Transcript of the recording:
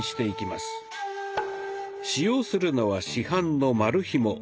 使用するのは市販の丸ひも。